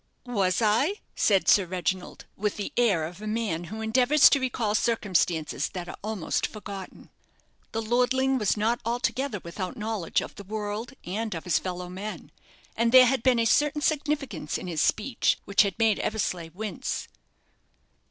"Was I?" said Sir Reginald, with the air of a man who endeavours to recall circumstances that are almost forgotten. The lordling was not altogether without knowledge of the world and of his fellow men, and there had been a certain significance in his speech which had made Eversleigh wince.